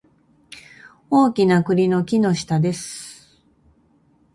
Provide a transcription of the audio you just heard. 大きな栗の木の下です